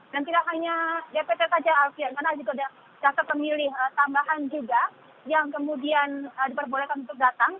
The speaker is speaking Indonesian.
dan tidak hanya dpc saja alfian karena juga ada dasar pemilih tambahan juga yang kemudian diperbolehkan untuk datang